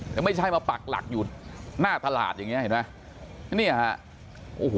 มันไม่ใช่มาปักหลักอยู่หน้าตลาดอย่างนี้เห็นไหม